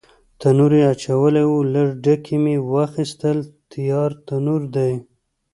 تنور یې اچولی و، لږ ډکي مې واخیستل، تیار تنور دی.